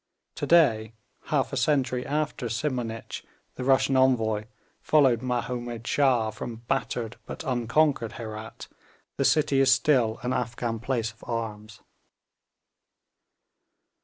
To day, half a century after Simonich the Russian envoy followed Mahomed Shah from battered but unconquered Herat, that city is still an Afghan place of arms.